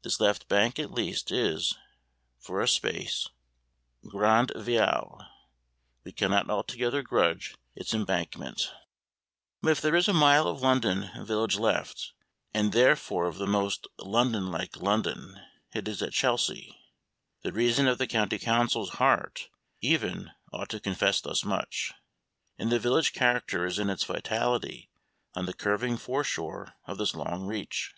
This left bank at least is, for a space, grande ville. We cannot altogether grudge its Embankment. [Illustration: THE CLOCK TOWER, WESTMINSTER.] But if there is a mile of London village left and therefore of the most London like London it is at Chelsea. The reason of the County Council's heart, even, ought to confess thus much. And the village character is in its vitality on the curving foreshore of this long Reach.